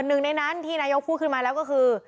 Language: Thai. หนึ่งในนั้นที่นายกพูดขึ้นมาแล้วก็คือ